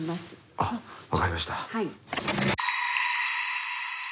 あっ分かりました。